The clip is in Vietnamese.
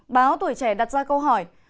báo tuổi trẻ đặt ra câu hỏi